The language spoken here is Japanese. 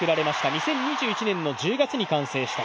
２０２１年の１０月に完成した。